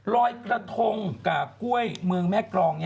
รอยกระทงกากล้วยเมืองแม่กรอง